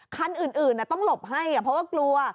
คันอื่นต้องหลบให้เพราะว่ากลัว